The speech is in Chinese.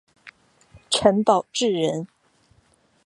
陈宝炽人。